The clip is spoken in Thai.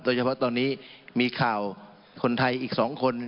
โดยเฉพาะตอนนี้มีข่าวคนไทยอีก๒คน